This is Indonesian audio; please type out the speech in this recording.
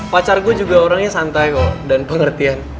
pacar gue juga orangnya santai kok dan pengertian